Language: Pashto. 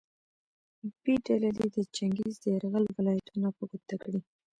ب ډله دې د چنګیز د یرغل ولایتونه په ګوته کړي.